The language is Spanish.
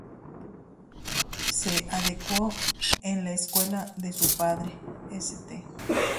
Se educó en la escuela de su padre, St.